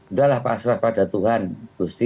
udahlah pak asraf pada tuhan gusti